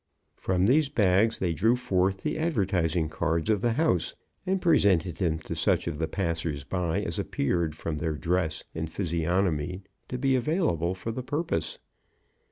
From these bags they drew forth the advertising cards of the house, and presented them to such of the passers by as appeared from their dress and physiognomy to be available for the purpose.